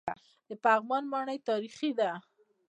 د پغمان ماڼۍ تاریخي ده